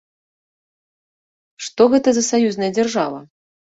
Што гэта за саюзная дзяржава?